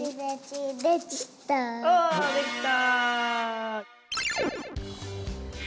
おできた！